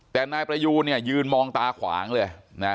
แต่นายประยูนยืนมองตาขวางเลย